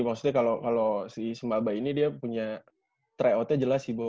maksudnya kalau si semaba ini dia punya tryoutnya jelas ya